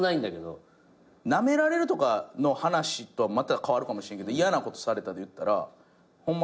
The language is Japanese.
なめられるとかの話とはまた変わるかもしれんけど嫌なことされたでいったらホンマ